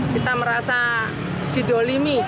kita merasa didolimi